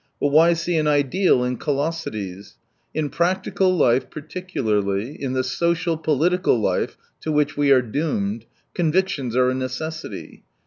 But why see an ideal in callosities ? In practical life, particularly in the social political life to which we are doomed, convictions are a necessity.